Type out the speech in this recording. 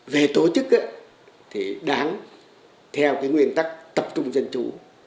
về tổ chức thì đáng theo cái nguyên tắc tập trung dân chủ